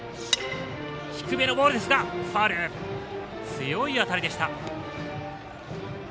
強い当たりでした。